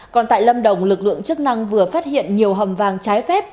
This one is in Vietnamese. còn tại lâm đồng lực lượng chức năng vừa phát hiện nhiều hầm vàng trái phép